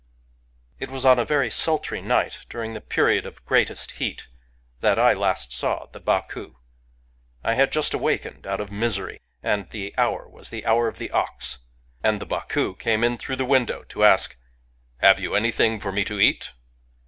It was on a very sultry night, during the Period of Greatest Heat, that I last saw the Baku. I . had just awakened out of misery ; and the hour was the Hour of the Ox ; and the Baku came in through the window to ask, " Have you anything for me to eat?"